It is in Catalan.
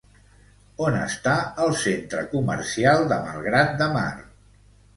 On està el centre comercial de Malgrat de Mar?